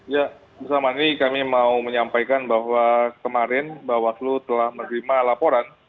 ya bersama ini kami mau menyampaikan bahwa kemarin bawaslu telah menerima laporan